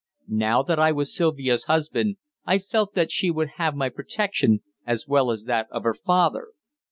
Now that I was Sylvia's husband, I felt that she would have my protection, as well as that of her father.